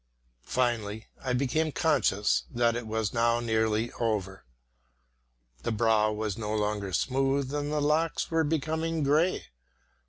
Finally I became conscious that it was now nearly over. The brow was no longer smooth and the locks were becoming gray.